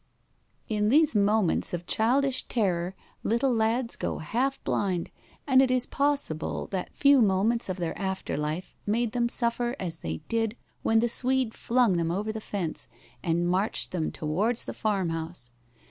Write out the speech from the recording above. In these moments of childish terror little lads go half blind, and it is possible that few moments of their after life made them suffer as they did when the Swede flung them over the fence and marched them towards the farm house.